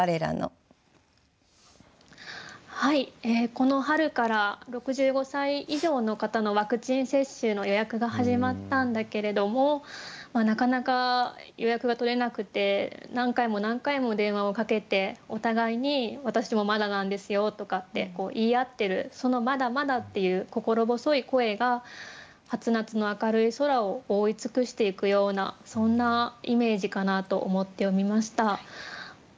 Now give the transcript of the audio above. この春から６５歳以上の方のワクチン接種の予約が始まったんだけれどもなかなか予約がとれなくて何回も何回も電話をかけてお互いに「私もまだなんですよ」とかって言い合ってるその「まだ」「まだ」っていう心細い声が初夏の明るい空を覆い尽くしていくようなそんなイメージかなと思って読みました。